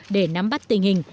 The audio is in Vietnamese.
để nắm bắt tình hình